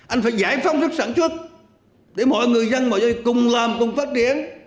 anh phải giải phóng sức sản xuất để mọi người dân mọi người cùng làm cùng phát triển